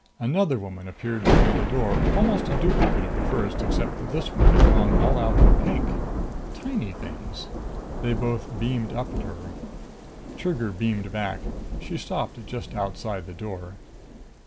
Another woman appeared behind the door, almost a duplicate of the first, except that this one had gone all out for pink. Tiny things. They both beamed up at her. Trigger beamed back. She stopped just outside the door.